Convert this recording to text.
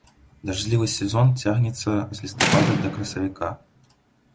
Дажджлівы сезон цягнецца з лістапада да красавіка.